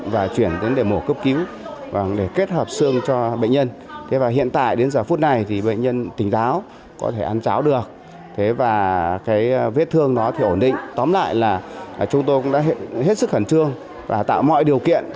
vết thương nó thì ổn định tóm lại là chúng tôi đã hết sức khẩn trương và tạo mọi điều kiện